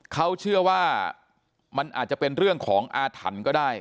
เขาเชื่อว่ามันอาจจะเป็นเรื่องของอาถรรพ์ก็ได้